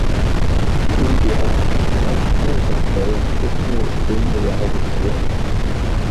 iji ha na a rụchapụrụ ya tupuu udummiri awụchie